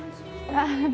ああ！